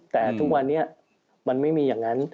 แต่ทุกวันนี้มันไม่มีอย่างนั้น